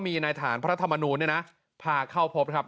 มีนายฐานพระธรรมนูลเนี่ยนะพาเข้าพบครับ